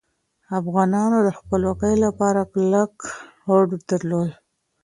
افغانانو د خپلواکۍ لپاره کلک هوډ درلود.